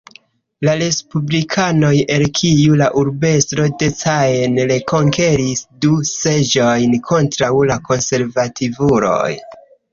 La respublikanoj, el kiuj la urbestro de Caen rekonkeris du seĝojn kontraŭ la konservativuloj.